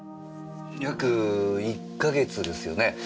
約１か月ですよね？